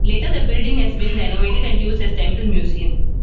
Later the building has been renovated and used as temple museum.